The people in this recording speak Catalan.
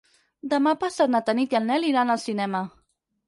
Demà passat na Tanit i en Nel iran al cinema.